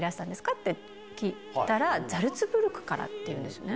って聞いたら、ザルツブルクからっていうんですね。